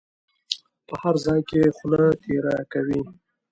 په هر ځای کې خوله تېره کوي.